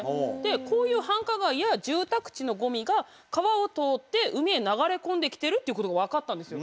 こういう繁華街や住宅地のごみが川を通って海へ流れ込んできてるっていうことが分かったんですよ。